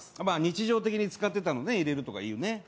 まぁ日常的に使ってたもの入れるとか言うね。